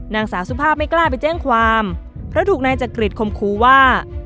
นางสาวสุภาพไม่กล้าไปแจ้งความเพราะถูกนายจักริตคมคูว่า